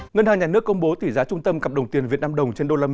ngân hàng nhà nước công bố tỷ giá trung tâm cặp đồng tiền việt nam đồng trên usd